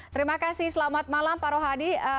terima kasih selamat malam pak rohadi